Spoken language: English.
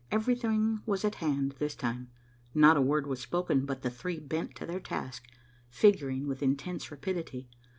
Everything was at hand this time. Not a word was spoken, but the three bent to their task, figuring with intense rapidity.